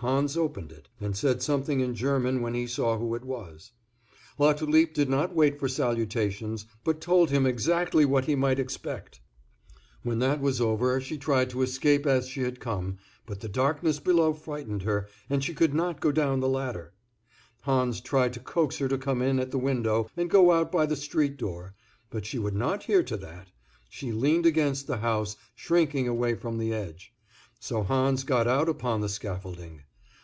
Hans opened it, and said something in German when he saw who it was. Latulipe did not wait for salutations, but told him exactly what he might expect. When that was over she tried to escape as she had come, but the darkness below frightened her, and she could not go down the ladder. Hans tried to coax her to come in at the window and go out by the street door, but she would not hear to that; she leaned against the house, shrinking away from the edge. So Hans got out upon the scaffolding.